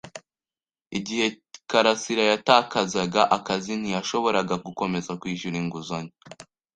Igihe karasira yatakazaga akazi, ntiyashoboraga gukomeza kwishyura inguzanyo